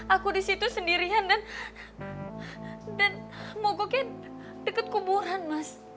aku di situ sendirian dan mogoknya deket kuburan mas